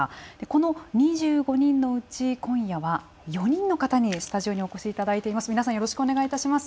この２５人のうち今夜は４人の方にスタジオにお越しいただいています。